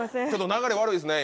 流れ悪いですね